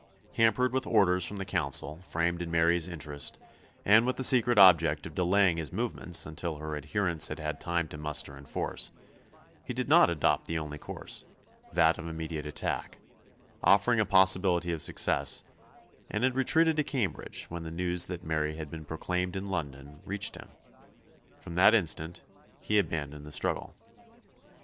Hampered with orders from the Council framed in Mary's interest and with the secret object of delaying his movements until her adherents had had time to muster in force, he did not adopt the only course that of immediate attack offering a possibility of success, and had retreated to Cambridge when the news that Mary had been proclaimed in London reached him. From that instant he abandoned the struggle.